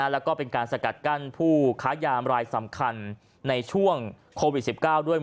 แล้วก็เป็นการสกัดกั้นผู้ค้ายามรายสำคัญในช่วงโควิด๑๙ด้วย